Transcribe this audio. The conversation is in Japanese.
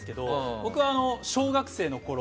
僕は小学生のころ